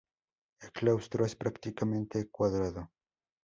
El claustro es prácticamente cuadrado.